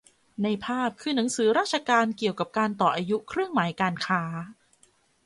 ในภาพคือหนังสือราชการเกี่ยวกับการต่ออายุเครื่องหมายการค้า